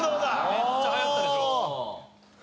めっちゃ流行ったでしょ。